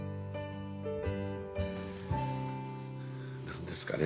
何ですかね